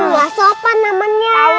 wah sopan namanya